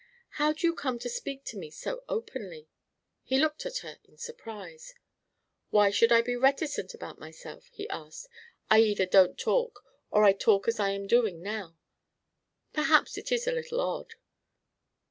"How do you come to speak to me so openly?" He looked at her in surprise: "Why should I be reticent about myself?" he asked. "I either don't talk or I talk as I am doing now. Perhaps it is a little odd."